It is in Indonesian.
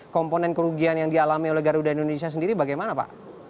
komponen kerugian yang dialami oleh garuda indonesia sendiri bagaimana pak